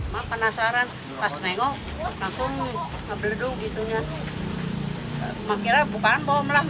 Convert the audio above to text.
saya penasaran pas menengok langsung berleduk